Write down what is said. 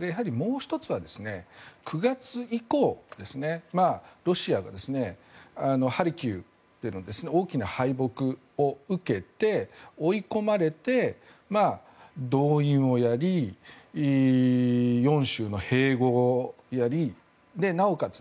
やはりもう１つは９月以降、ロシアがハルキウでの大きな敗北を受けて追い込まれて、動員をやり４州の併合をやりなおかつ